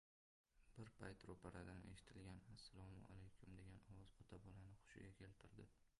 Bir payt ro‘paradan eshitilgan «Assalomu alaykum!» degan ovoz ota-bolani hushiga keltirdi: